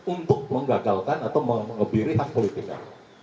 untuk menggagalkan atau mengebiri hak politiknya